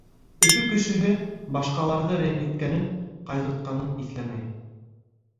Өфө кешеһе башҡаларҙы рәнйеткәнен, ҡайғыртҡанын иҫләмәй.